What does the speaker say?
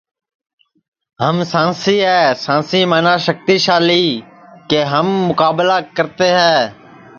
ہم سانسی ہے سانسی منا شکتی شالی کہ ہم مکابلہ کرتے ہے